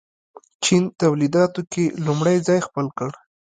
چین تولیداتو کې لومړی ځای خپل کړ.